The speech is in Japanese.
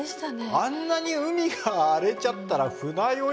あんなに海が荒れちゃったら船酔いとか。